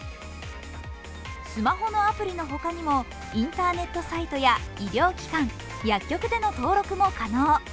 スマホのアプリのほかにもインターネットとサイトや、医療機関、薬局での登録も可能。